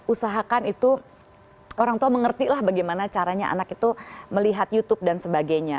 usahakan itu orang tua mengertilah bagaimana caranya anak itu melihat youtube dan sebagainya